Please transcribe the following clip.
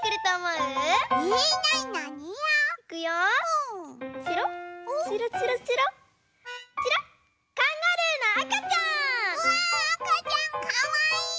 うわあかちゃんかわいい！